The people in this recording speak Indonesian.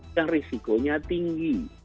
yang risikonya tinggi